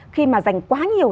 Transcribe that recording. khi mà dành quá nhiều